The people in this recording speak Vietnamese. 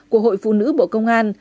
của hội phụ nữ bộ công an